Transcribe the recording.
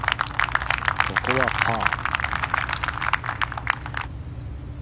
ここはパー。